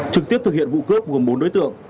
trực tiếp thực hiện vụ cướp gồm bốn đối tượng